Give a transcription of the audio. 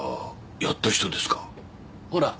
ほら。